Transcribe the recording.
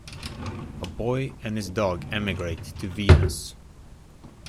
A boy and his dog emigrate to Venus.